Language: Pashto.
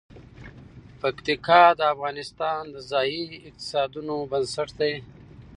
پکتیکا د افغانستان د ځایي اقتصادونو بنسټ دی.